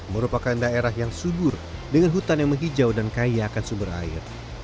merupakan daerah yang subur dengan hutan yang menghijau dan kaya akan sumber air